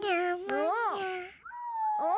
お！